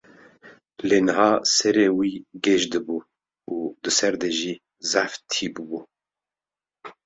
Lê niha serê wî gêj dibû û di ser de jî zehf tî bûbû.